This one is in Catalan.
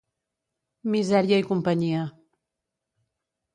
Misèria i companyia.